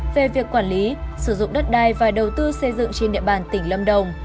về việc quản lý sử dụng đất đai và đầu tư xây dựng trên địa bàn tỉnh lâm đồng